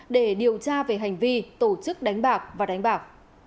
để điều tra về hành vi tổ chức đánh bạc và đánh bạc